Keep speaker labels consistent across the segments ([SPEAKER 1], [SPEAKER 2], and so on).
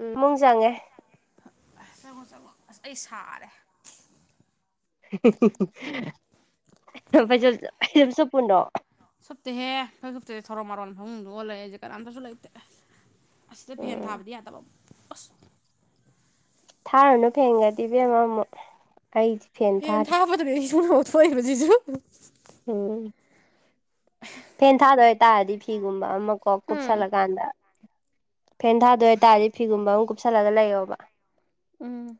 [SPEAKER 1] ꯎꯝ ꯃꯨꯡ ꯆꯪꯉꯦ
[SPEAKER 2] ꯑꯁ ꯆꯪꯉꯣ ꯆꯪꯉꯣ ꯑꯁ ꯑꯩ ꯁꯥꯔꯦ
[SPEAKER 1] ꯍꯤ ꯍꯨꯡ ꯍꯨꯡ ꯍꯨꯡ ꯍꯍ ꯐꯩꯖꯨꯞ ꯐꯩꯖꯨꯞ ꯁꯨꯄꯨꯅꯣ
[SPEAKER 2] ꯁꯨꯞꯇꯦꯍꯦ ꯐꯩꯖꯨꯞ ꯁꯨꯞꯇꯦ ꯊꯔꯣ ꯃꯥꯔꯣꯟ ꯐꯃꯨꯡꯗ ꯑꯣꯜꯂꯦ ꯑꯩꯖꯦ ꯀꯅꯥꯝꯇꯁꯨ ꯂꯩꯇꯦ ꯑꯁꯤꯗ ꯐꯦꯟ
[SPEAKER 1] ꯎꯝ
[SPEAKER 2] ꯊꯥꯕꯗꯤ ꯌꯥꯗꯕ ꯑꯝ
[SPEAKER 1] ꯊꯥꯔꯨꯅꯨ ꯐꯦꯡꯒꯥꯗꯤ ꯏꯕꯦꯝꯃ ꯑꯃꯨꯛ ꯑꯩꯗꯤ
[SPEAKER 2] ꯐꯦꯟ ꯊꯥꯕꯗꯨꯅꯦ ꯑꯩꯁꯤꯡꯨꯡ ꯑꯣꯠꯊꯣꯛꯏꯕꯣ ꯁꯤꯁꯨ
[SPEAKER 1] ꯎꯝ ꯐꯦꯟ ꯊꯥꯗꯣꯏ ꯍꯥꯏꯇꯥꯔꯗꯤ ꯐꯤꯒꯨꯝꯕ ꯑꯃ ꯀꯣ
[SPEAKER 2] ꯎꯝ
[SPEAKER 1] ꯀꯨꯞꯁꯜꯂꯀꯥꯟꯗ ꯐꯦꯟ ꯊꯥꯗ ꯑꯗꯨ ꯑꯣꯏꯇꯥꯔꯗꯤ ꯐꯤꯒꯨꯝꯕ ꯑꯃ ꯀꯨꯞꯁꯜꯂꯒ ꯂꯩꯌꯣꯕ
[SPEAKER 2] ꯎꯝ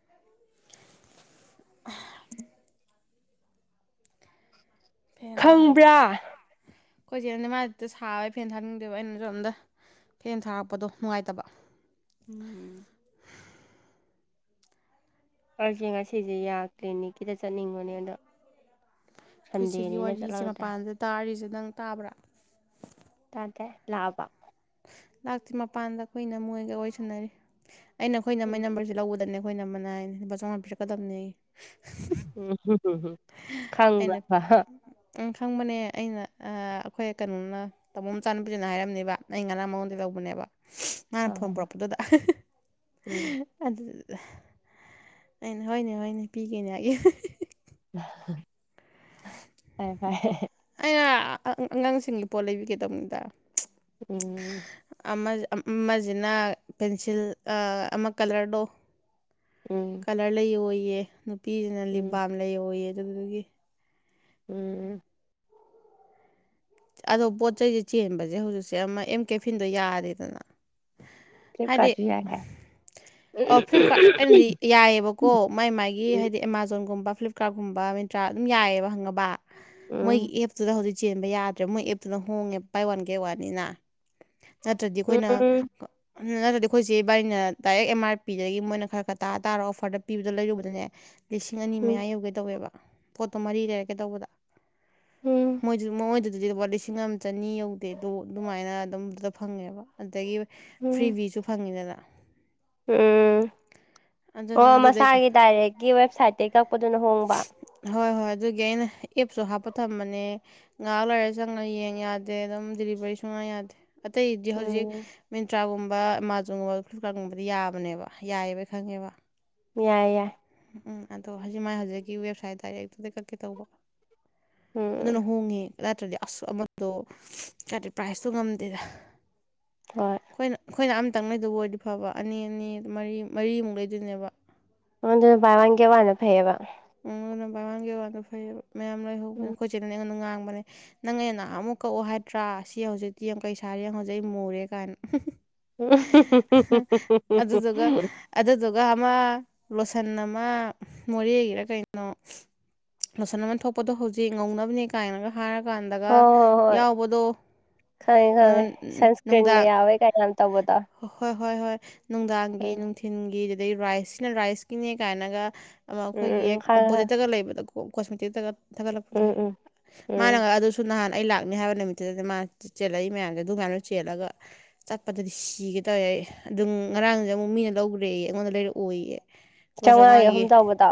[SPEAKER 2] ꯐꯦꯟ
[SPEAKER 1] ꯈꯪꯕ꯭ꯔꯥ
[SPEAKER 2] ꯊꯥꯔꯕꯗ ꯑꯩꯈꯣꯏꯁꯦꯅꯗꯤ ꯃꯥꯥꯏꯗ ꯁꯥꯕ ꯐꯦꯟ ꯊꯥꯅꯤꯡꯗꯦꯕ ꯑꯩꯅꯁꯨ ꯑꯝꯇ ꯐꯦꯟ ꯊꯥꯔꯛꯄꯗꯣ ꯅꯨꯡꯉꯥꯏꯇꯕ
[SPEAKER 1] ꯎꯝ ꯑꯩꯁꯦ ꯉꯁꯤꯁꯦ ꯌꯥ ꯀ꯭ꯂꯤꯅꯤꯛꯀꯤꯗ ꯆꯠꯅꯤꯡꯕꯅꯦ ꯑꯗꯣ
[SPEAKER 2] ꯑꯩꯈꯣꯏ ꯁꯤꯒꯤ
[SPEAKER 1] ꯁꯟꯗꯦꯅꯤꯅ
[SPEAKER 2] ꯋꯥꯔꯤꯁꯦ
[SPEAKER 1] ꯆꯠꯂꯔꯣꯏꯗ꯭ꯔꯥ
[SPEAKER 2] ꯃꯄꯥꯟꯗ ꯇꯥꯔꯤꯁꯦ ꯅꯪ ꯇꯥꯕ꯭ꯔꯥ
[SPEAKER 1] ꯇꯗ ꯂꯥꯛꯕ
[SPEAKER 2] ꯂꯥꯛꯇ꯭ ꯃꯄꯥꯟꯗ ꯑꯩꯈꯣꯏꯅ ꯃꯣꯏꯒ ꯑꯣꯏꯁꯟꯅꯔꯤ ꯑꯩꯅ ꯑꯩꯈꯣꯏꯅ ꯃꯣꯏ
[SPEAKER 1] ꯎꯝ
[SPEAKER 2] ꯅꯝꯕꯔꯁꯦ ꯂꯧꯕꯗꯅꯦꯣ ꯑꯩꯈꯣꯏ ꯅ ꯃꯅꯥꯏ ꯂꯨꯄꯥ ꯆꯥꯝꯃꯉꯥ ꯄꯤꯔꯛꯀꯗꯕꯅꯤ
[SPEAKER 1] ꯎꯝ ꯍꯝ ꯍꯝ ꯍꯝ
[SPEAKER 2] ꯑꯩꯅ ꯎ ꯈꯪꯕꯅꯦ ꯑꯩꯅ ꯑꯩꯈꯣꯏ ꯀꯩꯅꯣꯅ ꯇꯥꯃꯣꯝ ꯆꯥꯟꯅ ꯄꯨꯁꯤꯅ ꯍꯥꯏꯔꯝꯅꯦꯕ ꯑꯩ ꯉꯔꯥꯡ ꯃꯉꯣꯟꯗ ꯂꯧꯕꯅꯦꯕ ꯃꯥꯅ ꯐꯣꯟ ꯄꯨꯔꯛꯄꯗꯨꯗ
[SPEAKER 1] ꯎꯝ
[SPEAKER 2] ꯑꯗꯨꯗꯨꯗ ꯑꯩꯅ ꯍꯣꯏꯅꯦ ꯍꯣꯏꯅꯦ ꯄꯤꯒꯅꯦꯒꯤ
[SPEAKER 1] ꯐꯩꯌꯦ ꯐꯩꯌꯦ
[SPEAKER 2] ꯑꯩꯅ ꯑꯉꯥꯡꯁꯤꯡꯒꯤ ꯄꯣꯠ ꯂꯩꯕꯤꯒꯗꯕꯅꯤꯗ
[SPEAKER 1] ꯎꯝ
[SPEAKER 2] ꯑꯃꯁꯤꯅ ꯄꯦꯟꯁꯤꯜ ꯑꯃ ꯀꯂꯔꯗꯣ
[SPEAKER 1] ꯎꯝ
[SPEAKER 2] ꯀꯂꯔ ꯂꯩ ꯑꯣꯏꯌꯦ ꯅꯨꯄꯤꯁꯤꯅ ꯂꯤꯞ
[SPEAKER 1] ꯎꯝ
[SPEAKER 2] ꯕꯥꯝ ꯂꯩ ꯑꯣꯏꯌꯦ ꯑꯗꯨꯗꯒꯤ
[SPEAKER 1] ꯎꯝ
[SPEAKER 2] ꯑꯗꯣ ꯄꯣꯠ ꯆꯩꯁꯦ ꯆꯦꯟꯕꯁꯦ ꯍꯧꯖꯤꯛꯁꯦ ꯑꯃ ꯑꯦꯝ ꯀꯦꯐꯤꯟꯗꯣ ꯌꯥꯔꯦꯗꯅ
[SPEAKER 1] ꯐꯂꯤꯞ ꯀꯥꯔꯠ꯭ ꯌꯥꯏ ꯍꯥꯏ
[SPEAKER 2] ꯑꯣ
[SPEAKER 1] ꯎꯝ ꯎꯝ
[SPEAKER 2] ꯐ꯭ꯂꯤꯞꯀꯥꯔꯠ ꯑꯩꯅꯗꯤ ꯌꯥꯏꯑꯕ ꯀꯣ ꯃꯥꯏ ꯃꯥꯥꯏꯒꯤ ꯍꯥꯏꯗꯤ ꯑꯦꯃꯥꯖꯣꯟꯒꯨꯝꯕ ꯐ꯭ꯂꯤꯞꯀꯥꯔꯠꯀꯨꯝꯕ ꯃꯤꯟꯇ꯭ꯔꯥ ꯑꯗꯨꯝ ꯌꯥꯏꯑꯕ ꯍꯪꯉꯕ ꯃꯣꯏꯒꯤ
[SPEAKER 1] ꯎꯝ
[SPEAKER 2] ꯑꯦꯞꯇꯨꯗ ꯍꯧꯖꯤꯛ ꯆꯦꯟꯕ ꯌꯥꯗ꯭ꯔꯦ ꯃꯣꯏ ꯑꯦꯞꯇꯨꯅ ꯍꯣꯡꯉꯦ ꯕꯥꯏ ꯋꯥꯟ ꯀꯦ ꯋꯥꯟꯅꯤꯅ ꯅꯠꯇ꯭ꯔꯗꯤ ꯑꯩꯈꯣꯏꯅ ꯅꯠꯇ꯭ꯔꯗꯤ ꯑꯩꯈꯣꯏꯁꯦ ꯕꯥꯏꯅ ꯗꯥꯏꯔꯦꯛ ꯑꯦꯝ ꯑꯥꯔ ꯄꯤꯗꯒꯤ ꯃꯣꯏꯅ ꯈꯔ ꯈꯔ ꯇꯥꯔ ꯇꯥꯔ ꯑꯣꯐꯔꯗ ꯄꯤꯕꯗ ꯂꯩꯔꯕꯅꯦ ꯂꯤꯁꯤꯡ ꯑꯅꯤ
[SPEAKER 1] ꯎꯝ
[SPEAKER 2] ꯃꯌꯥ
[SPEAKER 1] ꯎꯝ
[SPEAKER 2] ꯌꯧꯒꯦ ꯇꯧꯋꯦꯕ ꯄꯣꯠꯇꯣ ꯃꯔꯤ ꯂꯩꯔꯛꯀꯦ ꯇꯧꯕꯗ ꯃꯣꯏ ꯃꯣꯏꯗꯨꯗꯗꯤ ꯄꯣꯠ ꯂꯤꯁꯤꯡ ꯑꯃ ꯆꯅꯤ ꯌꯧꯗꯦꯗꯣ ꯑꯗꯨꯃꯥꯏꯅ ꯑꯗꯨꯝꯗꯨꯗ ꯐꯪꯉꯦꯕ ꯑꯗꯨꯗꯒꯤ
[SPEAKER 1] ꯎꯝ
[SPEAKER 2] ꯐ꯭ꯔꯤꯚꯤꯁꯨ ꯐꯪꯉꯤꯗꯅ
[SPEAKER 1] ꯎꯝ
[SPEAKER 2] ꯑꯗꯨꯅ
[SPEAKER 1] ꯑꯣ
[SPEAKER 2] ꯑꯗꯨꯗꯩ
[SPEAKER 1] ꯃꯁꯥꯒꯤ ꯗꯥꯏꯔꯦꯛꯀꯤ ꯋꯦꯕꯁꯥꯏꯠꯇꯩꯒꯤ ꯀꯛꯄꯗꯨꯅ ꯍꯣꯡꯕ
[SPEAKER 2] ꯍꯣꯏ ꯍꯣꯏ ꯑꯗꯨꯒꯤ ꯑꯩꯅ ꯑꯦꯞꯁꯨ ꯍꯥꯞꯄ ꯊꯝꯕꯅꯦ ꯉꯥꯏꯍꯥꯛ ꯂꯣꯏꯔ ꯆꯪꯅ ꯌꯦꯡ ꯌꯥꯗꯦ ꯑꯗꯨꯝ ꯗꯤꯂꯤꯚꯔꯤ ꯁꯨꯡꯅ ꯌꯥꯗꯦ ꯑꯇꯩꯗꯤ ꯍꯧꯖꯤꯛ
[SPEAKER 1] ꯎꯝ
[SPEAKER 2] ꯃꯤꯟꯇ꯭ꯔꯥꯒꯨꯝꯕ ꯒꯕ ꯑꯦꯃꯥꯖꯣꯟꯒꯨꯝꯕ ꯐ꯭ꯂꯤꯞꯀꯥꯔꯠꯒꯨꯝꯕꯗꯤ ꯌꯥꯕꯅꯦꯕ ꯌꯥꯏꯌꯦꯕꯩ ꯈꯪꯉꯦꯕ
[SPEAKER 1] ꯌꯥꯏ ꯌꯥꯏ
[SPEAKER 2] ꯎꯝ ꯎꯝ ꯑꯗꯣ ꯍꯧꯖꯤꯛ ꯃꯥꯏ ꯍꯧꯖꯤꯛꯀꯤ ꯋꯦꯕꯁꯥꯏꯠ ꯗꯥꯏꯔꯦꯛꯇꯨꯗ ꯀꯛꯀꯦ ꯇꯧꯕ ꯑꯗꯨꯅ
[SPEAKER 1] ꯎꯝ
[SPEAKER 2] ꯍꯣꯡꯉꯦ ꯅꯠꯇ꯭ꯔꯗꯤ ꯑꯁ ꯑꯃꯗꯣ ꯀꯗꯦ ꯄ꯭ꯔꯥꯏꯖꯇꯣ ꯉꯝꯗꯦꯗ
[SPEAKER 1] ꯍꯣꯏ
[SPEAKER 2] ꯑꯩꯈꯣꯏꯅ ꯑꯩꯈꯣꯏꯅ ꯑꯃꯇꯪ ꯂꯩꯗꯕ ꯑꯣꯏꯔꯗꯤ ꯐꯕ ꯑꯅꯤ ꯑꯅꯤ ꯃꯔꯤ ꯃꯔꯤꯃꯨꯛ ꯂꯩꯗꯣꯏꯅꯦꯕ
[SPEAKER 1] ꯃ ꯑꯗꯨ ꯥꯔꯒꯦ ꯋꯥꯅ ꯐꯩꯕ
[SPEAKER 2] ꯅ ꯃꯃꯥꯡꯒꯤ ꯋꯥꯗ ꯐꯩꯕ ꯃꯌꯥꯝ
[SPEAKER 1] ꯎꯝ
[SPEAKER 2] ꯂꯣꯏꯍꯧꯕꯅꯦ ꯈꯣꯠꯆꯤꯂ ꯑꯩꯉꯣꯟꯗ ꯉꯥꯡꯕꯅꯦ ꯅꯪ ꯑ ꯅꯍ ꯑꯃꯨꯛ ꯀꯛꯑꯣ ꯍꯥꯏꯗ꯭ꯔꯥ ꯁꯤ ꯍꯧꯖꯤꯛꯇꯤ ꯑꯃꯡ ꯀꯩ ꯁꯥꯔꯦ ꯌꯦ ꯍꯧꯖꯤꯛ ꯑꯩ ꯃꯨꯔꯦ ꯀꯥꯏꯅ
[SPEAKER 1] ꯎ
[SPEAKER 2] ꯑꯗꯨꯗꯨꯒ
[SPEAKER 1] [unintelligible]
[SPEAKER 2] ꯑꯗꯨꯗꯨꯒ ꯑꯃ ꯂꯣꯁꯟ ꯑꯃ ꯃꯣꯔꯦꯒꯤꯔ ꯀꯩꯅꯣ ꯂꯣꯁꯟꯟ ꯊꯣꯛꯄꯗꯣ ꯍꯧꯖꯤꯛ ꯉꯧꯅꯕꯅꯦ ꯁꯥꯏꯅꯒ ꯍꯥꯏꯔꯀꯥꯟꯗꯒ
[SPEAKER 1] ꯍꯣꯏ ꯍꯣꯏ ꯍꯣꯏ
[SPEAKER 2] ꯌꯥꯎꯕꯗꯣ
[SPEAKER 1] ꯈꯪꯉꯦ ꯈꯪꯉꯦ ꯁꯟꯁ꯭ꯀ꯭ꯔꯤꯟꯒ ꯌꯥꯎꯋꯦ ꯀꯅ ꯇꯧꯕꯗꯣ
[SPEAKER 2] ꯍ ꯍꯣꯏ ꯍꯣꯏ ꯍꯣꯏ ꯅꯨꯡꯗꯥꯡꯒꯤ
[SPEAKER 1] ꯎꯝ
[SPEAKER 2] ꯅꯨꯡꯊꯤꯟꯜꯒꯤ ꯑꯗꯨꯗꯩ ꯔꯥꯏꯁꯁꯤꯅ ꯔꯥꯏꯁꯀꯤꯅꯦ ꯀꯥꯏꯅꯒ ꯑꯃ
[SPEAKER 1] ꯎꯝ ꯎꯝ
[SPEAKER 2] ꯑꯩꯈꯣꯏꯒꯤ
[SPEAKER 1] ꯎꯝ
[SPEAKER 2] ꯍꯦꯛ
[SPEAKER 1] ꯈꯪꯉꯦ ꯈꯪꯉꯦ
[SPEAKER 2] ꯑꯣꯄꯣꯖꯤꯠꯇꯒ ꯂꯩꯕꯗ ꯀꯣꯁꯃꯦꯇꯤꯛꯇꯒ ꯊꯥꯒꯠꯂꯛꯄꯗ
[SPEAKER 1] ꯎꯝ ꯎꯝ ꯎꯝ
[SPEAKER 2] ꯃꯥꯅꯒ ꯑꯗꯨꯁꯨ ꯁꯨ ꯅꯍꯥꯟ ꯑꯩ ꯂꯥꯛꯅꯤ ꯍꯥꯏꯕ ꯅꯨꯃꯤꯠꯇꯨꯗꯗꯤ ꯃꯥ ꯆꯦꯜꯂꯛꯏ ꯃꯌꯥꯝꯁꯦ ꯑꯗꯨ ꯌꯥꯝꯌꯥꯝꯅ ꯆꯦꯜꯂꯒ ꯆꯠꯄꯗꯗꯤ ꯁꯤꯒꯦ ꯇꯧꯋꯦꯏ ꯑꯗꯨꯝ ꯉꯔꯥꯡꯁꯦ ꯑꯃꯨꯛ ꯃꯤꯅ ꯂꯧꯈ꯭ꯔꯦ ꯑꯩꯉꯣꯟꯗ ꯂꯩꯔꯛꯑꯣꯏꯌꯦ ꯄꯣꯠꯆ
[SPEAKER 1] ꯆꯥꯝꯃꯉꯥꯒꯤ ꯑꯍꯨꯝ
[SPEAKER 2] ꯉꯥꯡꯏꯌꯦ
[SPEAKER 1] ꯇꯧꯕꯗꯣ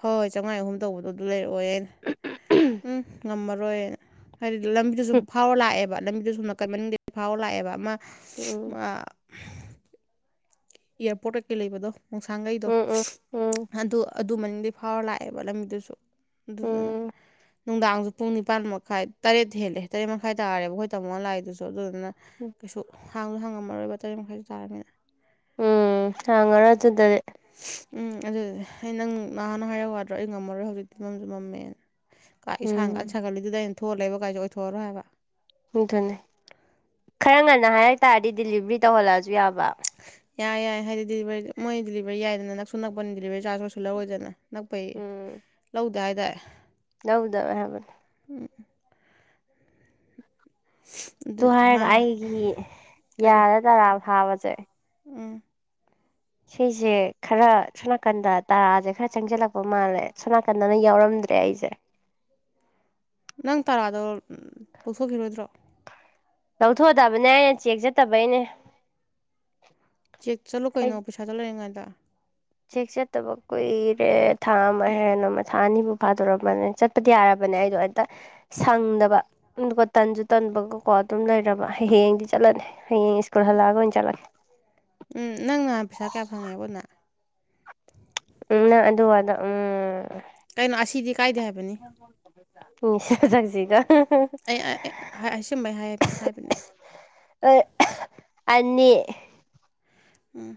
[SPEAKER 2] ꯍꯣꯏ ꯍꯣꯏ ꯆꯥꯝꯃꯉꯥ ꯑꯍꯨꯝ ꯇꯧꯕꯗꯣ ꯑꯗꯨ ꯂꯩꯔꯛꯑꯣ ꯑꯩꯅ ꯎꯝ ꯉꯝꯃꯔꯣꯏꯅ ꯍꯥꯏꯗꯤ ꯂꯝꯕꯤꯗꯨꯁꯨ ꯐꯥꯎꯔ ꯂꯥꯛꯑꯦꯕ ꯂꯝꯕꯤꯗꯨ ꯁꯨꯝ ꯅꯥꯀꯟ ꯃꯅꯨꯡꯗ ꯐꯥꯎꯔ ꯂꯥꯛꯑꯦꯕ ꯑꯃ
[SPEAKER 1] ꯎꯝ
[SPEAKER 2] ꯑ ꯏꯌꯥꯔꯄꯣꯔꯠ ꯀꯩꯀꯩ ꯂꯩꯕꯗꯣ ꯃꯣꯡꯁꯥꯡꯒꯩꯗꯣ
[SPEAKER 1] ꯎꯝ ꯎꯝ ꯎꯝ ꯎꯝ
[SPEAKER 2] ꯑꯗꯨ ꯑꯗꯨ ꯃꯅꯤꯡꯗꯤ ꯐꯥꯎꯔ ꯂꯥꯛꯑꯦꯕ ꯂꯝꯕꯤꯗꯨꯁꯨ ꯑꯗꯨꯗꯨꯅ
[SPEAKER 1] ꯎꯝ
[SPEAKER 2] ꯅꯨꯡꯗꯥꯡꯁꯨ ꯄꯨꯡ ꯅꯤꯄꯥꯟ ꯃꯈꯥꯏ ꯇꯔꯦꯠ ꯍꯦꯜꯂꯦ ꯇꯔꯦꯠ ꯃꯈꯥꯏ ꯇꯥꯔꯦꯕ ꯍꯣꯏ ꯇꯃꯣ ꯂꯥꯏꯏꯗꯨꯁꯨ ꯑꯗꯨꯅ ꯑꯗꯨꯅ ꯀꯩꯁꯨ ꯍꯥꯡꯗꯣ ꯍꯥꯡꯉꯝꯃꯔꯣꯏꯕ ꯇꯔꯦꯠ ꯃꯈꯥꯏꯁꯨ ꯇꯥꯔꯕꯃꯤꯅ
[SPEAKER 1] ꯎ ꯍꯥꯡꯉ ꯔ ꯑꯗꯨꯗ ꯂꯩ
[SPEAKER 2] ꯎꯝ ꯑꯗꯨꯗꯤ ꯑꯩ ꯅꯪ ꯅꯍꯥꯟꯅ ꯍꯥꯏꯔꯛ ꯋꯥꯗ꯭ꯔꯣ ꯑꯩ ꯉꯝꯃꯔꯣꯏ ꯍꯧꯖꯤꯛꯇꯤ ꯃꯝꯁꯨ ꯃꯝꯃꯦꯅ ꯀꯥ
[SPEAKER 1] ꯎꯝ
[SPEAKER 2] ꯏꯁꯥꯡꯒꯥꯟ ꯁꯥꯥꯡꯒꯠꯂꯤꯗꯨꯗ ꯑꯩꯅ ꯊꯣꯜꯂꯦꯕ ꯀꯥꯏꯦ ꯑꯣꯏꯊꯣꯛꯔꯣꯏ ꯍꯥꯏꯕ
[SPEAKER 1] ꯑꯗꯨꯅꯦ ꯈꯔ ꯉꯟꯅ ꯍꯥꯏꯔꯛ ꯇꯥꯔꯗꯤ ꯗꯤꯂꯤꯕꯔꯤ ꯇꯧꯍꯜꯂꯛꯑꯁꯨ ꯌꯥꯕ
[SPEAKER 2] ꯌꯥꯏ ꯌꯥꯏ ꯍꯥꯏꯗꯤ ꯗꯤꯂꯤꯚꯔꯤ ꯃꯣꯏ ꯗꯤꯂꯤꯚꯔꯤ ꯌꯥꯏꯗꯅ ꯅꯛꯁꯨ ꯅꯛꯄꯅꯤ ꯗꯤꯂꯤꯚꯔꯤ ꯆꯥꯔꯖ ꯑꯣꯏꯔꯁꯨ ꯂꯧꯔꯣꯏꯗꯅ ꯅꯛꯄꯩ ꯂꯧꯗꯥ ꯍꯥꯏꯗꯦ
[SPEAKER 1] ꯂꯧꯗꯕ ꯍꯥꯏꯕꯅꯦ
[SPEAKER 2] ꯑ
[SPEAKER 1] ꯇꯨ ꯍꯥꯏꯔꯒ ꯑꯩꯒꯤ ꯌꯥꯗ ꯇꯔꯥ ꯊꯥꯕꯁꯦ
[SPEAKER 2] ꯎ
[SPEAKER 1] ꯁꯤꯁꯦ ꯈꯔ ꯁꯣꯝ ꯅꯥꯀꯟꯗ ꯇꯔꯥꯁꯦ ꯈꯔ ꯆꯪꯁꯤꯜꯂꯛꯄ ꯃꯥꯜꯂꯦ ꯁꯣꯝ ꯅꯥꯀꯟꯗꯅ ꯌꯥꯎꯔꯝꯗ꯭ꯔꯦ ꯑꯩꯁꯦ
[SPEAKER 2] ꯅꯪ ꯇꯔꯥꯗꯣ ꯂꯧꯊꯣꯛꯈꯤꯔꯣꯏꯗ꯭ꯔꯣ
[SPEAKER 1] ꯂꯧꯊꯣꯛꯗꯕꯅꯦ ꯑꯩꯅ ꯆꯦꯛ ꯆꯠꯇꯕꯩꯅꯦ
[SPEAKER 2] ꯆꯦꯛ ꯆꯠꯂꯨ
[SPEAKER 1] ꯑꯩꯁꯦ
[SPEAKER 2] ꯀꯩꯅꯣ ꯄꯩꯁꯥ ꯆꯠꯂꯔꯤꯉꯩꯗ
[SPEAKER 1] ꯆꯦꯛ ꯆꯠꯇꯕ ꯀꯨꯏꯔꯦ ꯊꯥ ꯑꯃ ꯍꯦꯟ ꯑꯃ ꯊꯥ ꯑꯅꯤꯐꯥꯎ ꯐꯥꯗꯣꯔꯝꯕꯅꯦ ꯆ ꯗꯤ ꯌꯥꯔꯕꯅꯦ ꯑꯩꯗꯣ ꯍꯦꯛꯇ ꯁꯪꯗꯕ ꯑꯗꯨꯒꯣ ꯇꯟꯁꯨ ꯇꯟꯕꯒꯀꯣ ꯑꯗꯨꯝ ꯂꯩꯔꯕ ꯍꯌꯦꯡꯗꯤ ꯆꯠꯂꯅꯤ ꯍꯌꯦꯡ ꯄꯨꯜ ꯍꯜꯂꯑꯒ ꯑꯣꯏꯅ ꯆꯂꯦ
[SPEAKER 2] ꯎꯝ ꯅꯪꯅꯥꯟ ꯄꯩꯁꯥ ꯀꯌꯥ ꯐꯪꯉꯦꯕꯅ
[SPEAKER 1] ꯎꯝ ꯅꯪ ꯑꯗꯨ ꯑꯗ ꯎꯝ
[SPEAKER 2] ꯀꯩꯅꯣ ꯑꯁꯤꯗꯤ ꯀꯥꯏꯗꯦ ꯍꯥꯏꯕꯅꯤ
[SPEAKER 1] ꯎ ꯆꯛꯁꯤꯒ
[SPEAKER 2] ꯑꯩ ꯑꯁꯨꯝꯕ ꯍꯥꯏꯔꯝꯃꯦ ꯍꯥꯏꯕꯅꯦ
[SPEAKER 1] ꯑ ꯑꯅꯤ
[SPEAKER 2] ꯎꯝ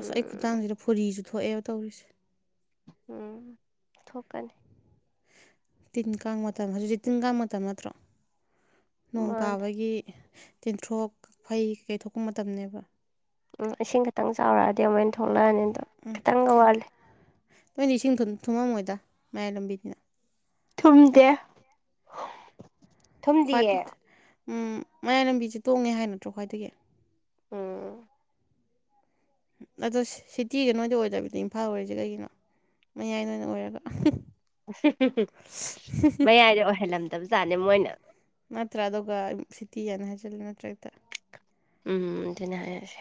[SPEAKER 2] ꯑꯁ ꯑꯩ ꯈꯨꯊꯥꯡꯁꯤꯗ ꯐꯨꯣꯔꯤꯁꯨ ꯊꯣꯛꯑꯦꯕ ꯇꯧꯔꯤꯁꯦ
[SPEAKER 1] ꯎꯝ ꯊꯣꯛꯀꯅꯤ
[SPEAKER 2] ꯇꯤꯟ ꯀꯥꯡ ꯃꯇꯝ ꯍꯧꯖꯤꯛꯁꯤ ꯇꯤꯟ ꯀꯥꯡ ꯃꯇꯝ ꯅꯠꯇ꯭ꯔꯣ ꯅꯣꯡ
[SPEAKER 1] ꯃꯥꯅꯦ
[SPEAKER 2] ꯇꯥꯕꯒꯤ ꯇꯦꯟꯊ꯭ꯔꯣꯛ ꯐꯩꯩ ꯀꯩꯊ ꯊꯣꯛꯄ ꯃꯇꯝꯅꯦꯕ
[SPEAKER 1] ꯎꯝ ꯏꯁꯤꯡ ꯈꯤꯇꯪ ꯆꯥꯎꯔꯛꯑꯗꯤ ꯑꯃꯣꯏꯅ ꯊꯣꯛꯂꯛꯑꯅꯤ ꯑꯗꯣ ꯈꯤꯇꯪꯒ ꯋꯥꯠꯂꯦ
[SPEAKER 2] ꯂꯣꯏ ꯏꯁꯤꯡ ꯊꯨꯝꯃꯝꯃꯣꯏꯗ ꯃꯌꯥꯏ ꯂꯝꯕꯤꯅꯤꯅ
[SPEAKER 1] ꯊꯨꯝꯗꯦ
[SPEAKER 2] ꯈ꯭ꯇ
[SPEAKER 1] ꯊꯨꯝꯗꯤꯌꯦ
[SPEAKER 2] ꯃꯌꯥꯏ ꯂꯝꯕꯤꯁꯦ ꯇꯣꯡꯉꯦ ꯍꯥꯏ ꯅꯠꯇ꯭ꯔꯣ ꯈ꯭ꯋꯥꯏꯗꯒꯤ
[SPEAKER 1] ꯎꯥ
[SPEAKER 2] ꯑꯗꯣ ꯁꯤꯇꯤꯒ ꯅꯣꯏꯗꯤ ꯑꯣꯏꯗꯕꯤꯗ ꯏꯝꯐꯥꯜ ꯑꯣꯏꯔꯤꯁꯦ ꯀꯩꯒꯤꯅꯣ ꯃꯌꯥꯏꯅ ꯅꯣꯏꯅ ꯑꯣꯏꯅ ꯑꯣꯏꯔꯒ
[SPEAKER 1] ꯃꯌꯥꯏꯗ ꯑꯣꯏꯍꯜꯂꯝꯗꯕꯖꯥꯠꯅꯦ ꯃꯣꯏꯅ
[SPEAKER 2] ꯅꯠꯇ꯭ꯔꯥ ꯑꯗꯨꯒ ꯁꯤꯇꯤ ꯍꯥꯏꯅ ꯍꯥꯏꯖꯜꯂꯦ ꯅꯠꯇ꯭ꯔꯒꯗ
[SPEAKER 1] ꯎꯝ ꯑꯗꯨꯅ ꯍꯥꯏꯔꯁꯦ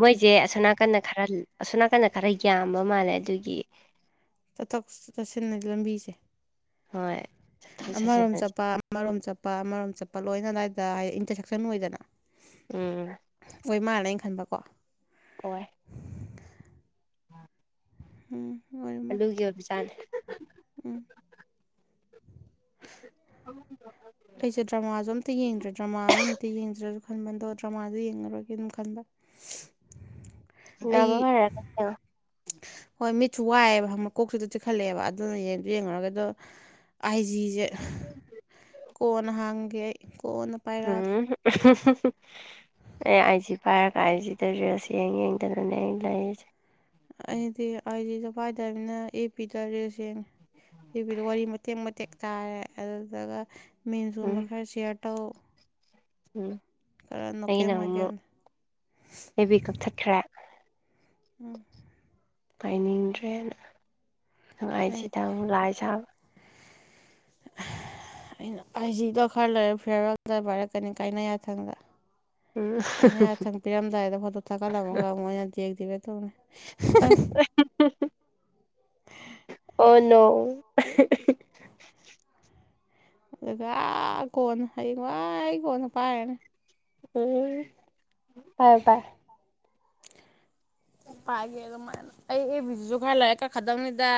[SPEAKER 1] ꯃꯣꯏꯁꯦ ꯑꯁꯣꯝ ꯅꯥꯀꯟꯗ ꯈꯔ ꯑꯁꯣ ꯅꯥꯀꯟꯗ ꯈꯔ ꯌꯥꯝꯕ ꯃꯥꯜꯂꯦ ꯑꯗꯨꯒꯤ
[SPEAKER 2] ꯆꯠꯊꯣꯛ ꯆꯠꯁꯤꯟꯅ ꯂꯝꯕꯤꯁꯦ
[SPEAKER 1] ꯍꯣꯏ ꯆꯠꯊꯣꯛ ꯆꯠꯁꯤꯟ
[SPEAKER 2] ꯑꯃꯔꯣꯝ ꯆꯠꯄ ꯑꯃꯔꯣꯝ ꯆꯠꯄ ꯑꯃꯔꯣꯝ ꯆꯠꯄ ꯂꯣꯏꯅ ꯑꯗꯥꯏꯗ ꯏꯟꯇꯔꯁꯦꯛꯁꯟ ꯑꯣꯏꯗꯅ
[SPEAKER 1] ꯎꯝ
[SPEAKER 2] ꯑꫭꯏ ꯃꯥꯜꯂꯦ ꯑꯩꯈꯟꯕꯀꯣ
[SPEAKER 1] ꯑꫭꯏ ꯎ [unintelligible]
[SPEAKER 2] ꯍꯝ
[SPEAKER 1] ꯑꯗꯨꯒꯤ ꯑꯣꯏꯕ ꯖꯥꯠꯅꯤ
[SPEAKER 2] ꯎꯝ ꯑꯩꯁꯦ ꯗ꯭ꯔꯃꯥꯁꯨ ꯑꯝꯇ ꯌꯦꯡꯗ꯭ꯔꯦ ꯗ꯭ꯔꯃꯥ ꯑꯝꯃꯅꯤꯇ ꯌꯦꯡꯖꯤꯔꯁꯨ ꯈꯟꯕ ꯑꯗꯣ ꯗ꯭ꯔꯃꯥꯗ ꯌꯦꯡꯉꯔꯣꯏꯒꯦ ꯑꯗꯨꯝ ꯈꯟꯕ [inaudible]
[SPEAKER 1] ꯅꯥꯕ ꯐꯔꯒ ꯍꯥꯏꯌꫭ
[SPEAKER 2] ꯍꯣꯏ ꯃꯤꯠꯁꯨ ꯋꯥꯏꯑꯦꯕ ꯈꯪꯕ ꯀꯣꯛꯁꯤꯖꯨ ꯆꯤꯛꯈꯠꯂꯛꯑꯦꯕ ꯑꯗꯨꯅ ꯌꯦꯡꯖꯨ ꯌꯦꯡꯉꯔꫭꯏꯒꯦ ꯑꯗꯨ ꯑꯥꯏꯖꯤꯖꯦ ꯀꯣꯟꯅ ꯍꯥꯡꯒꯦ ꯀꯣꯟꯅ ꯄꯥꯏꯔꯛꯑꯒꯦ
[SPEAKER 1] [unintelligible] ꯑꯩ ꯑꯥꯏ ꯖꯤ ꯄꯥꯏꯔꯒ ꯑꯩꯖꯤꯗ ꯔꯤꯜꯁ ꯌꯦꯡ ꯌꯦꯡꯗꯅꯅꯦ ꯑꯩ ꯂꯩꯔꯤꯁꯦ
[SPEAKER 2] ꯑꯩꯗꯤ ꯑꯥꯏꯗꯤꯗꫭ ꯄꯥꯏꯗꯕꯅꯤꯅ ꯑꯦꯞ ꯕꯤꯗ ꯔꯤꯜꯁ ꯌꯦꯡꯉꯦ ꯑꯦꯞꯕꯤꯗ ꯋꯥꯔꯤ ꯃꯇꯦꯛ ꯃꯇꯦꯛ ꯇꯥꯔꯦ ꯑꯗꯨꯗꯨꯒ ꯃꯤꯟꯁꯀꯨꯝꯕ
[SPEAKER 1] ꯎꯝ
[SPEAKER 2] ꯈꯔ ꯁꯤꯌꯔ ꯇꯧ
[SPEAKER 1] ꯎꯝ
[SPEAKER 2] ꯈꯔ
[SPEAKER 1] ꯑꯩꯒꯤꯅ
[SPEAKER 2] ꯅꯣꯀꯦꯝ
[SPEAKER 1] ꯑꯃꯨꯛ
[SPEAKER 2] ꯃꯥꯏꯀꯦꯝꯅ
[SPEAKER 1] ꯑꯦꯞꯕꯤ ꯀꯛꯊꯠꯈ꯭ꯔꯦ
[SPEAKER 2] ꯎꯝ
[SPEAKER 1] ꯄꯥꯏꯅꯤꯡꯗ꯭ꯔꯦꯅ ꯑꯗꯨꯒ
[SPEAKER 2] ꯑꯩꯅ
[SPEAKER 1] ꯑꯥꯏꯖꯤꯗꯃꯨꯛ ꯂꯥꯏ ꯁꯥꯕ
[SPEAKER 2] ꯑꯩꯅ ꯑꯥꯏꯖꯤꯗꯣ ꯈꯔ ꯂꯩꯔ ꯐꯤꯌꯔꯋꯦꯜꯗ ꯄꯥꯏꯔꯛꯀꯅꯤ ꯀꯥꯏꯅ ꯌꯥꯊꯪꯗ
[SPEAKER 1] ꯎꯝ
[SPEAKER 2] ꯀꯥꯏꯅ ꯌꯥꯊꯪ ꯄꯤꯔꯝꯗꯥꯏꯗ ꯐꫭꯇꫭ ꯊꯥꯒꯠꯂꯝꯃꯒ ꯑꯃꯨꯛ ꯑꯩꯅ ꯗꯤꯑꯦꯛꯇꯤꯕꯦꯠ ꯇꯧꯅꯤ
[SPEAKER 1] ꯑꯁ
[SPEAKER 2] ꯍ [unintelligible]
[SPEAKER 1] ꯑꯣꯅꫭ
[SPEAKER 2] ꯑꯗꯨꯒ ꯀꯣꯟꯅ ꯍꯌꯦꯡ ꯋꯥꯏ‌ ꯑꯩ ꯀꯣꯟꯅ ꯄꯥꯏꯔꯅꯤ
[SPEAKER 1] ꯎꯝ ꯄꯥꯏꯌꯨ ꯄꯥꯏꯌꯨ
[SPEAKER 2] ꯕꯤꯝ [unintelligible] ꯄꯥꯏꯒꯦ ꯑꯗꯨꯃꯥꯏꯅ ꯑꯩ ꯑꯦꯞꯕꯤꯁꯤꯁꯨ ꯈꯔ ꯂꯩꯔ ꯀꯛꯈꯔꯗꯝꯅꯤꯗ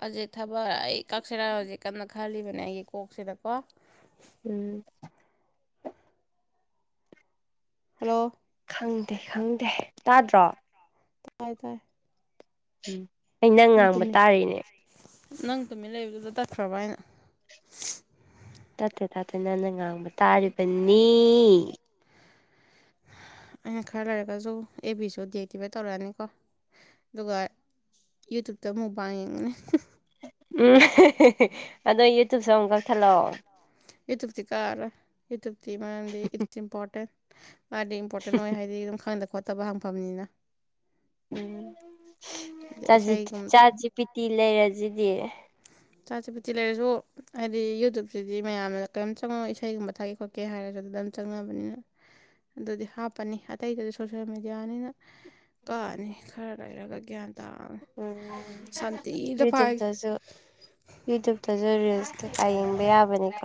[SPEAKER 2] ꯍꯧꯖꯤꯛ ꯊꯕꯛ ꯑꯩ ꯀꯛꯁꯤꯔ ꯍꯧꯖꯤꯛ ꯀꯟꯅ ꯈꯜꯂꯤꯕꯅꯦ ꯑꯩꯒꯤ ꯀꯣꯛꯁꯤꯗꯀꯣ
[SPEAKER 1] ꯎꯝ
[SPEAKER 2] ꯍꯜꯂꯣ
[SPEAKER 1] ꯈꯪꯗꯦ ꯈꯪꯗꯦ ꯇꯥꯗ꯭ꯔꯣ
[SPEAKER 2] ꯇꯥꯏ ꯇꯥꯏ
[SPEAKER 1] ꯎꯝ ꯑꯩꯅꯪ
[SPEAKER 2] ꯅꯪ
[SPEAKER 1] ꯉꯥꯡꯕ
[SPEAKER 2] ꯇꯨꯃꯤꯟ
[SPEAKER 1] ꯇꯥꯔꯤꯅꯦ
[SPEAKER 2] ꯅꯪ ꯇꯨꯃꯤꯟꯅ ꯂꯩꯕꯗꯨꯗ ꯇꯠꯈ꯭ꯔꯕ ꯍꯥꯏꯅ
[SPEAKER 1] ꯇꯠꯇꯦ ꯇꯠꯇꯦ ꯅꯪꯅ ꯉꯥꯡꯕ ꯇꯥꯔꯤꯕꯅꯤ
[SPEAKER 2] ꯑꯩꯅ ꯈꯔ ꯂꯩꯔꯒꯖꯨ ꯑꯦꯞꯕꯤꯁꯨ ꯗꯤꯑꯦꯛꯇꯤꯕꯦꯠ ꯇꯧꯔꯛꯑꯅꯤꯀꯣ ꯑꯗꯨꯒ ꯌꯨꯇꯨꯞꯇ ꯃꯨꯛꯕꯥꯡ ꯌꯦꯡꯉꯅꯤ
[SPEAKER 1] ꯎꯝ ꯑꯗꯣ ꯌꯨꯇꯨꯞꯁꯨ ꯑꯃꯨꯛ ꯀꯛꯊꯠꯂꫭ
[SPEAKER 2] ꯌꯨꯇꯨꯞꯇꯗꯤ ꯀꯛ ꯑꯔꫭꯏ ꯌꯨꯇꯨꯞꯇꯤ ꯃꯥꯗꯤ ꯏꯠꯁ ꯏꯝꯄꯣꯔꯇꯦꯟ ꯃꯥꯗꯤ ꯏꯝꯄꯣꯔꯇꯦꯟ ꯑꯣꯏ ꯍꯥꯏꯗꯤ ꯑꯗꯨꯝ ꯈꯪꯗ ꯈꯣꯠꯇꯕ ꯍꯪꯐꯝꯅꯤꯅ
[SPEAKER 1] ꯎꯝ
[SPEAKER 2] ꯑꯗ
[SPEAKER 1] ꯆꯥꯠꯖꯤ
[SPEAKER 2] ꯏꯁꯩꯒꯨꯝꯕꯗ
[SPEAKER 1] ꯆꯥꯠꯖꯤꯄꯤꯇꯤ ꯂꯩꯔꯖꯤꯗꯤ
[SPEAKER 2] ꯆꯥꯠꯖꯤꯄꯤꯇꯤ ꯂꯩꯔꯖꯨ ꯍꯥꯏꯗꯤ ꯌꯨꯇꯨꯞꯁꯤꯗꯤ ꯃꯌꯥꯝꯅ ꯀꯔꯤꯝ ꯆꯪꯉꯣꯏ ꯏꯁꯩꯒꯨꯝꯕ ꯊꯥꯀꯦ ꯈꯣꯠ ꯀꯦ ꯍꯥꯏꯔꯖꯨ ꯑꯗꯨꯗ ꯑꯗꯨꯝ ꯆꯪꯅꯕꯅꯤꯅ ꯑꯗꯨꯗꯤ ꯍꯥꯞꯄꯅꯤ ꯑꯇꯩꯗꯗꯤ ꯁꯣꯁꯦꯜ ꯃꯦꯗꯤꯌꯥꯅꯤꯅ ꯀꯛꯑꯅꯤ ꯈꯔ ꯂꯩꯔꯒ ꯒ꯭ꯌꯥꯟ ꯇꯥꯅ ꯁꯥꯟꯇꯤꯗ ꯄꯥꯥꯏꯒꯦ
[SPEAKER 1] ꯖꯨ ꯌꯨꯇꯨꯞꯇꯖꯨ ꯔꯤꯜꯁ ꯀꯩꯀꯥ ꯌꯦꯡꯕ ꯌꯥꯕꯅꯤꯀꯣ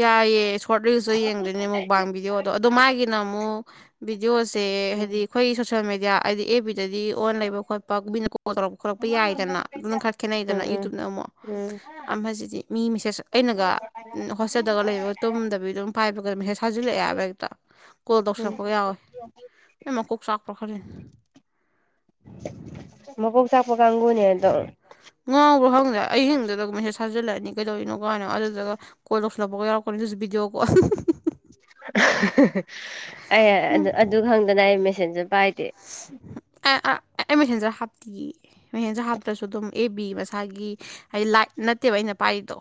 [SPEAKER 2] ꯌꯥꯏꯌꯦ ꯁꯣꯔꯠ ꯔꯤꯜꯁꯇꯣ ꯌꯦꯡꯗꯣꯏꯅꯦ ꯃꯨꯛꯕꯥꯡ ꯚꯤꯗꯤꯌꯣꯗꯣ ꯑꯗꯣ ꯃꯥꯒꯤꯅ ꯑꯃꯨꯛ ꯕꯤꯗꯤꯑꯣꯁꯦ ꯍꯥꯏꯗꯤ
[SPEAKER 1] ꯎꯝ
[SPEAKER 2] ꯑꯩꯈꯣꯏ ꯁꯣꯁꯦꯜ ꯃꯦꯗꯤꯌꯥ ꯍꯥꯏꯗꯤ ꯑꯦꯐꯕꯤꯗꯗꯤ ꯑꯣꯟ ꯂꯩꯕ ꯈꯣꯠꯄ ꯃꯤꯅ ꯀꯣꯜ ꯇꯧꯔꯛꯄ ꯈꯣꯠꯛꯄ ꯌꯥꯏꯗꯅ ꯑꯗꯨꯅ ꯈꯔ
[SPEAKER 1] ꯎꯝ
[SPEAKER 2] ꯈꯦꯠꯅꯩꯗꯅ
[SPEAKER 1] ꯎꯝ
[SPEAKER 2] ꯌꯨꯇ꯭ꯌꯨꯞꯇꯅ ꯑꯃꯨꯛ
[SPEAKER 1] ꯎꯝ
[SPEAKER 2] ꯑꯃꯖꯤꯗꯤ ꯃꯤ ꯃꯦꯁꯦꯖ ꯑꯩꯅꯒ ꯍꯣꯁꯇꯦꯜꯗꯒ ꯂꯩꯕꯒ ꯇꯨꯝꯗꯕꯤ ꯑꯗꯨꯝ ꯄꯥꯏꯕꯒ ꯃꯦꯁꯦꯖ ꯊꯥꯖꯤꯜꯂꯛꯑꯦ ꯍꯥꯏꯕ ꯍꯦꯛꯇ ꯀꯣꯜ
[SPEAKER 1] ꯎꯝ
[SPEAKER 2] ꯇꯧꯁꯤꯜꯂꯛꯄꯒ ꯌꯥꯎꯋꯦ ꯑꯩ ꯃꯀꯣꯛ ꯆꯥꯛꯄ꯭ꯔꯣ ꯈꯗꯤꯅꯦ [inaudible]
[SPEAKER 1] ꯃꯀꯣꯛ ꯆꯥꯛꯄ ꯀꯥꯡꯒꯨꯅꯦꯗꯣ
[SPEAKER 2] ꯉꯥꯎꯕ꯭ꯔꯣ ꯈꯪꯗ꯭ꯔꯦ ꯑꯩꯍꯤꯡꯗꯨꯗꯒ ꯃꯁꯦꯖ ꯊꯥꯖꯤꯜꯂꯛꯑꯅꯤ ꯀꯩꯗꯧꯔꯤꯅꯣ ꯀꯥꯏꯅꯣ ꯑꯗꯨꯗꯨꯒ ꯀꯣꯜ ꯇꯧꯁꯜꯂꯛꯄꯒ ꯌꯥꯎꯔꯛꯀꯅꯤ ꯑꯗꯨꯁꯨ ꯕꯤꯗꯤꯑꯣ ꯀꯣꯜ
[SPEAKER 1] ꯑꯩ ꯑꯗꯨ ꯈꯪꯗꯅ ꯑꯩ ꯃꯦꯁꯦꯟꯖꯔ ꯄꯥꯏꯗꯦ
[SPEAKER 2] ꯑꯩ ꯃꯦꯁꯦꯟꯖꯔ ꯍꯥꯞꯇꯤ ꯑꯩ ꯑꯗꯨ ꯍꯥꯞꯇ꯭ꯔꯁꯨ ꯑꯗꯨꯝ ꯑꯦꯐꯕꯤ ꯃꯁꯥꯒꯤ ꯍꯥꯏꯗꯤ ꯂꯥꯏꯠ ꯅꯠꯇꯦꯕ ꯑꯩꯅ ꯄꯥꯏꯔꯤꯗꯣ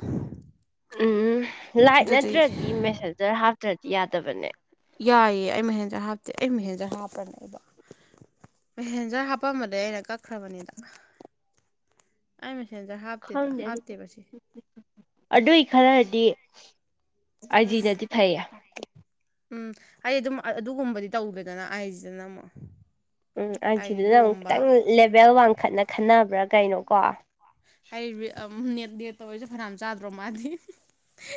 [SPEAKER 1] ꯎꯝ ꯂꯥꯏꯠ
[SPEAKER 2] ꯑꯗꯨꯗꯤ
[SPEAKER 1] ꯅꯠꯇ꯭ꯔꯗꯤ ꯃꯦꯁꯦꯟꯖꯔ ꯍꯥꯞꯇ꯭ꯔꯗꯤ ꯌꯥꯗꯕꯅꯦ
[SPEAKER 2] ꯌꯥꯏꯌꯦ ꯑꯩ ꯃꯍꯦꯟꯖꯔ ꯍꯥꯞꯇꯦ ꯑꯩ ꯃꯦꯁꯦꯟꯖꯔ ꯍꯥꯞꯄꯅꯦꯕ ꯃꯦꯁꯦꯟꯖꯔ ꯍꯥꯞꯄꯝꯗꯩ ꯑꯩꯅ ꯀꯛꯈ꯭ꯔꯕꯅꯤꯗ ꯑꯩ ꯃꯦꯁꯦꯟꯖꯔ ꯍꯥꯞꯇꯦꯗ
[SPEAKER 1] ꯈꯪꯗꯦ ꯑꯗꯨ
[SPEAKER 2] ꯍꯥꯞꯇꯦꯕ ꯑꯁꯦꯡ
[SPEAKER 1] ꯑꯗꯨꯏ ꯈꯔꯗꯤ ꯑꯥꯏꯖꯤꯅꯗꯤ ꯐꯩꯌꯦ
[SPEAKER 2] ꯎꯝ ꯑꯩ ꯑꯗꯨꯝ ꯑꯗꯨꯒꯨꯝꯕꯗꯤ ꯇꯧꯗꯦꯗꯅ ꯑꯏꯖꯤꯗꯅ ꯑꯃꯨꯛ
[SPEAKER 1] ꯎꯝ
[SPEAKER 2] ꯍꯥꯏꯗꯤ
[SPEAKER 1] ꯑꯏꯖꯤꯗꯨꯅ ꯑꯃꯨꯛ ꯈꯤꯇꯪ
[SPEAKER 2] ꯑꯗꯨꯒꯨꯝꯕ
[SPEAKER 1] ꯂꯦꯕꯦꯜ ꯋꯥꯡꯈꯠꯅ ꯈꯟꯅꯕ꯭ꯔꯥ ꯀꯩꯅꯣꯀꯣ
[SPEAKER 2] ꯍꯥꯏꯔꯤ ꯑꯃꯨꯛ ꯅꯦꯠ ꯇꯑꯣꯏꯁꯨ ꯐꯅꯌꯥꯝ ꯆꯥꯗ꯭ꯔꯣ ꯃꯥꯗꯤ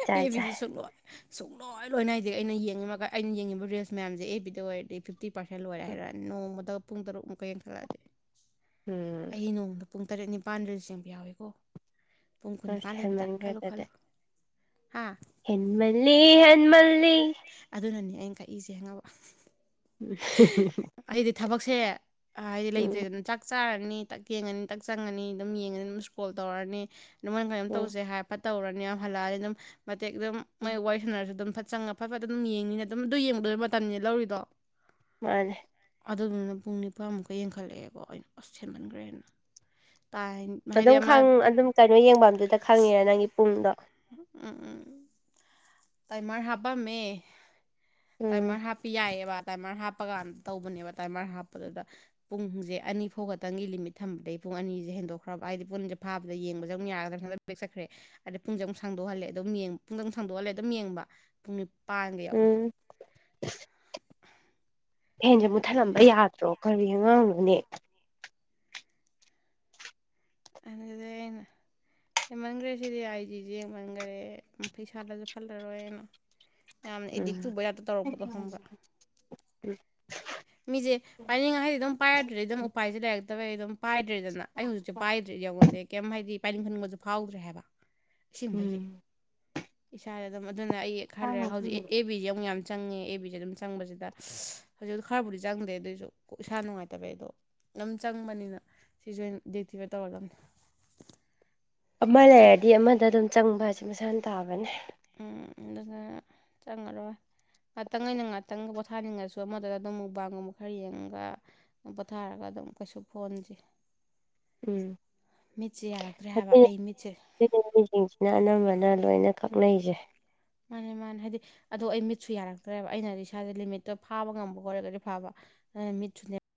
[SPEAKER 1] ꯆꯥꯏ
[SPEAKER 2] ꯑꯦꯕꯤꯗꯤ
[SPEAKER 1] ꯆꯥꯏ
[SPEAKER 2] ꯁꯨꯛꯂꯣꯏ ꯁꯨꯡꯂꯣꯏ ꯂꯣꯏ ꯅꯥꯏꯗꯦ ꯑꯩꯅ ꯌꯦꯡꯉꯤ ꯃꯈꯩ ꯑꯩꯅ ꯌꯦꯡꯉꯤꯕ ꯔꯤꯜꯁ ꯃꯌꯥꯝꯁꯦ ꯑꯦꯐꯕꯤꯗ ꯑꯣꯏꯔꯗꯤ ꯐꯤꯞꯇꯤ ꯄꯔꯁꯦꯟ ꯂꯣꯏꯔꯦ ꯍꯥꯏꯔꯛꯅꯤ ꯅꯣꯡꯃꯗ ꯄꯨꯡ ꯇꯔꯨꯛ ꯃꯨꯛꯀ ꯌꯦꯡꯈꯠꯂꯛꯑꯗꯤ
[SPEAKER 1] ꯎꯝ
[SPEAKER 2] ꯑꯩꯗꯤ ꯅꯣꯡꯃꯗ ꯄꯨꯡ ꯇꯔꯦꯠ ꯅꯤꯄꯥꯟ ꯔꯤꯜꯁ ꯌꯦꯡꯕ ꯌꯥꯎꯋꯤꯀꯣ ꯄꯨꯡ
[SPEAKER 1] ꯑꯁ
[SPEAKER 2] ꯀꯨꯟꯅꯤꯄꯥꯥꯟ ꯂꯩꯕꯗ ꯈꯜꯂꯨ
[SPEAKER 1] ꯍꯦꯟꯃꯟꯈ꯭ꯔꯦꯗꯨꯗꯤ
[SPEAKER 2] ꯈꯜꯂꯨ ꯍꯥ
[SPEAKER 1] ꯍꯦꯟꯃꯜꯂꯤ ꯍꯣꯟꯃꯜꯂꯤ
[SPEAKER 2] ꯑꯗꯨꯅꯅꯦ ꯑꯩꯅ ꯀꯛꯏꯁꯦ ꯍꯪꯉꯕ
[SPEAKER 1] [unintelligible] [inaudible]
[SPEAKER 2] ꯑꯩꯗꯤ ꯊꯕꯛꯁꯦ ꯍꯥꯏꯗꯤ
[SPEAKER 1] ꯎꯝ
[SPEAKER 2] ꯂꯩꯇ꯭ꯔꯦꯗꯅ ꯆꯥꯛ ꯇꯛ ꯆꯥꯔꯅꯤ ꯇꯛ ꯌꯦꯡꯉꯅꯤ ꯇꯛ ꯆꯪꯉꯅꯤ ꯑꯗꯨꯝ ꯌꯦꯡꯉꯅꯤ ꯑꯗꯨꯝ ꯁ꯭ꯀ꯭ꯔꯣꯜ ꯇꯧꯔꯅꯤ ꯑꯗꯨꯃꯥꯏꯅ ꯀꯩꯅꯣꯝ
[SPEAKER 1] ꯎꯝ
[SPEAKER 2] ꯇꯧꯁꯦ ꯍꯥꯏꯕ ꯇꯧꯔꯅꯤ ꯌꯥꯝ ꯍꯜꯂꯛꯑꯅꯤ ꯑꯗꯨꯝ ꯃꯇꯦꯛ ꯑꯗꯨꯝ
[SPEAKER 1] ꯎꯝ
[SPEAKER 2] ꯃꯣꯏ ꯁꯥꯟꯅꯔꯁꯨ ꯑꯗꯨꯝ ꯐꯠ ꯆꯪꯉ ꯐꯠ ꯐꯠ ꯑꯗꯨꯝ ꯌꯦꯡꯅꯤꯅ ꯑꯗꯨꯝ ꯑꯗꯨ ꯌꯦꯡꯕꯗ ꯃꯇꯝꯅꯤ ꯂꯧꯔꯤꯗꯣ
[SPEAKER 1] ꯃꯥꯅꯦ
[SPEAKER 2] ꯑꯗꯨꯗꯨꯅ ꯄꯨꯡ ꯅꯤꯄꯥꯟꯃꯨꯛꯀ ꯌꯦꯡꯈꯠꯂꯛꯑꯦꯀꯣ ꯑꯩꯅ ꯑꯁ ꯁꯦꯝꯃꯟꯈ꯭ꯔꯦꯅ ꯇꯥꯏ ꯍꯥꯏꯗꯤ
[SPEAKER 1] ꯑꯗꯨꯝ
[SPEAKER 2] ꯑꯃ
[SPEAKER 1] ꯈꯪ ꯑꯗꯨꯝ ꯀꯩꯅꯣ ꯌꯦꯡꯕꯝꯗꯨꯗ ꯈꯪꯉꯤꯔ ꯅꯪꯒꯤ ꯄꯨꯡꯗꯣ
[SPEAKER 2] ꯎꯝ ꯎꯝ ꯇꯥꯏꯃꯔ ꯍꯥꯞꯄꯝꯃꯦ
[SPEAKER 1] ꯎꯝ
[SPEAKER 2] ꯇꯥꯏꯃꯔ ꯍꯥꯞꯄ ꯌꯥꯏꯑꯦꯕ ꯇꯥꯏꯃꯔ ꯍꯥꯞꯄꯀꯥꯟꯗ ꯇꯧꯕꯅꯦꯕ ꯇꯥꯏꯃꯔ ꯍꯥꯞꯄꯗꯨꯗ ꯄꯨꯡꯁꯦ ꯑꯅꯤ ꯐꯥꯎ ꯈꯛꯇꯪꯒꯤ ꯂꯤꯃꯤꯠ ꯊꯝꯕꯗꯒꯤꯩ ꯄꯨꯡ ꯑꯅꯤꯁꯦ ꯍꯦꯟꯗꯣꯛꯈ꯭ꯔꯕ ꯍꯥꯏꯗꯤ ꯄꯨꯟꯁꯦ ꯐꯕꯗ ꯌꯦꯕꯗ ꯑꯃꯨꯛ ꯌꯥꯒꯗ꯭ꯔꯥ ꯕꯦꯛ ꯆꯠꯈ꯭ꯔꯦ ꯑꯗꯩ ꯄꯨꯡꯖꯦ ꯑꯃꯨꯛ ꯁꯥꯡꯗꯣꯛꯍꯜꯂꯦ ꯑꯗꯨꯝ ꯌꯦꯡ ꯄꯨꯡ ꯑꯃꯨ ꯁꯥꯡꯗꯣꯛꯍꯜꯂꯦ ꯑꯗꯨꯝ ꯌꯦꯡꯕ ꯄꯨꯡ ꯅꯤꯄꯥꯟꯒ ꯌꯥꯎꯋꯦ
[SPEAKER 1] [unintelligible] ꯍꯦꯟꯖꯦ
[SPEAKER 2] ꯑꯗꯨꯗꯩ
[SPEAKER 1] ꯃꯨꯠꯊꯠꯂꯝꯕ ꯌꯥꯗ꯭ꯔꯣ ꯀꯔꯤ ꯑꯉꯥꯡꯅꯣꯅꯦ
[SPEAKER 2] ꯑꯗꯨꯅꯦ ꯍꯦꯟꯃꯟꯈ꯭ꯔꯦ ꯁꯤꯗꯤ ꯑꯥꯏ ꯖꯤꯁꯦ ꯌꯦꯡꯃꯟꯈ꯭ꯔꯦ ꯄꯩꯁꯥꯗꯁꯨ ꯐꯜꯂꯔꯣꯏꯅ ꯌꯥꯝꯅ ꯑꯦꯗꯤꯛ
[SPEAKER 1] ꯎꯝ
[SPEAKER 2] ꯆꯨꯕꯩ ꯇꯥꯏꯞꯇ ꯇꯧꯔꯛꯄꯗꯣ ꯈꯪꯕ꯭ꯔꯥ ꯃꯤꯁꯦ ꯄꯥꯏꯅꯤꯡꯉꯥꯏꯗꯤ ꯑꯗꯨꯝ ꯄꯥꯏꯔꯗꯨ꯭ꯔꯗꯤ ꯑꯗꯨꯝ ꯎꯄꯥꯏꯁꯦ ꯂꯩꯔꯛꯇꯕꯩ ꯑꯗꯨꯝ ꯄꯥꯏꯗ꯭ꯔꯦꯗꯅ ꯑꯩ ꯍꯧꯖꯤꯛꯁꯦ ꯄꯥꯏꯗ꯭ꯔꯦ ꯌꯦꯡꯉꯨꯗꯦ ꯀꯩꯝ ꯍꯥꯏꯗꯤ ꯄꯥꯏꯅꯤꯡꯍꯟꯅꯤꯡꯕꯁꯨ ꯐꯥꯎꯗ꯭ꯔꯦ ꯍꯥꯏꯕ ꯏꯁꯦꯡꯕꯒꯤ
[SPEAKER 1] ꯎꯝ
[SPEAKER 2] ꯏꯁꯥꯗ ꯑꯗꯨꯝ ꯑꯗꯨꯅ ꯑꯩ ꯈꯔ ꯂꯩꯔꯒ ꯍꯧꯖꯤꯛ ꯑꯦ ꯕꯤꯗꯤ ꯑꯃꯨꯛ ꯌꯥꯝ ꯆꯪꯉꯦ ꯑꯦꯐꯕꯤꯁꯦ ꯑꯗꯨꯝ ꯆꯪꯕꯁꯤꯗ ꯍꯧꯖꯤꯛ ꯈꯔꯕꯨꯗꯤ ꯆꯪꯗꯦ ꯑꯗꯨꯑꯣꯏꯁꯨ ꯀ ꯏꯁꯥ ꯅꯨꯡꯉꯥꯏꯇꯕ ꯑꯗꯣ ꯑꯗꯨꯝ ꯆꯪꯕꯅꯤꯅ [unintelligible] ꯊꯤꯕ ꯇꯧꯔꯒꯅꯦ
[SPEAKER 1] ꯑꯃ ꯂꯩꯔꯗꯤ ꯑꯃꯗ ꯑꯗꯨꯝ ꯆꯪꯕ ꯍꯥꯏꯁꯦ ꯃꯁꯥꯅ ꯇꯥꯕꯅꯦ
[SPEAKER 2] ꯎꯝ ꯑꯗꯨꯅ ꯆꯪꯉꯔꯣꯏ ꯉꯥꯛꯇꯪ ꯑꯩꯅ ꯉꯥꯛꯇꯪꯒ ꯄꯣꯊꯥꯅꯤꯡꯉꯁꯨ ꯑꯃꯗꯨꯗ ꯑꯗꯨꯝ ꯃꯨꯛꯕꯥꯡꯒꯨꯝꯕ ꯈꯔ ꯌꯦꯡꯉꯒ ꯄꯣꯊꯥꯔꯒ ꯑꯗꯨꯝ ꯀꯩꯁꯨ ꯐꯣꯟꯁꯤ
[SPEAKER 1] ꯎꯝ
[SPEAKER 2] ꯃꯤꯠꯁꯦ ꯌꯥꯔꯛꯇ꯭ꯔꯦ ꯍꯥꯏꯕ ꯑꯩ ꯃꯤꯠꯁꯦ
[SPEAKER 1] ꯁꯤꯅꯤ ꯃꯤꯁꯤꯡꯁꯤꯅ ꯑꯅꯝꯕꯅ ꯂꯣꯏꯅ ꯀꯛꯅꯩꯁꯦ
[SPEAKER 2] ꯃꯥꯅꯦ ꯃꯥꯅꯦ ꯍꯥꯏꯗꯤ ꯑꯗꯣ ꯑꯩ ꯃꯤꯠꯁꯨ ꯌꯥꯔꯛꯇ꯭ꯔꯦꯕ ꯑꯩꯅꯗꯤ ꯏꯁꯥꯥꯁꯦ ꯂꯤꯃꯤꯠꯇꯣ ꯐꯥꯕ ꯉꯝꯕ ꯈ ꯑꯣꯏꯔꯒꯗꯤ ꯐꯥꯕ ꯑ ꯃꯤꯠꯁꯨꯅꯦ